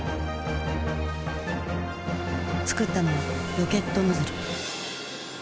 作ったのはロケットノズル。